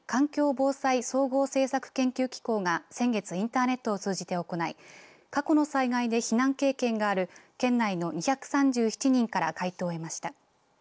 防災総合政策研究機構が先月インターネットを通じて行い過去の災害で避難経験がある県内の２３７人から回答を得ました。